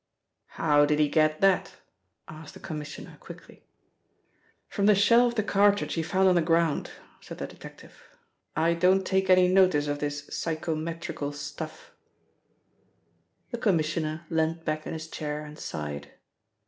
"How did he get that?" asked the Commissioner quickly. "From the shell of the cartridge he found on the ground," said the detective. "I don't take any notice of this psychometrical stuff " The Commissioner leant back in his chair and sighed.